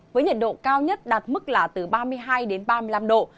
với nhiệt độ cao nhất đạt mức là từ ba mươi hai đến ba mươi năm độ